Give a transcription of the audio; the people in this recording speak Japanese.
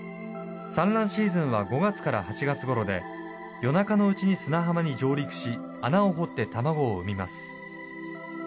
産卵シーズンは５月から８月ごろで夜中のうちに砂浜に上陸し穴を掘って卵を産みます。